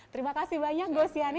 terima kasih banyak go siani